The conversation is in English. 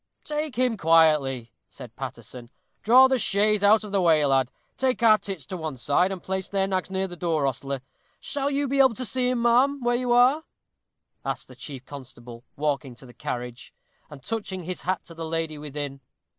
"Take him quietly," said Paterson. "Draw the chaise out of the way, lad. Take our tits to one side, and place their nags near the door, ostler. Shall you be able to see him, ma'am, where you are?" asked the chief constable, walking to the carriage, and touching his hat to the lady within.